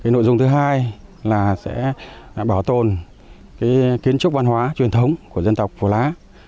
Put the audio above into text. nội dung thứ hai là sẽ bảo tồn kiến trúc văn hóa truyền thống của dân tộc phổ lá